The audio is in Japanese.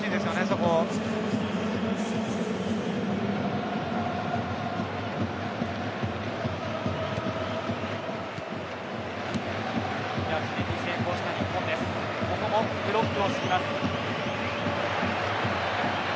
ここもブロックを敷いています。